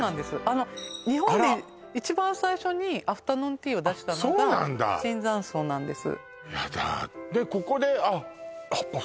あの日本で一番最初にアフタヌーンティーを出したのが椿山荘なんです